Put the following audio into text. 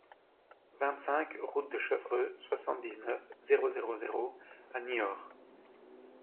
vingt-cinq route de Cherveux, soixante-dix-neuf, zéro zéro zéro à Niort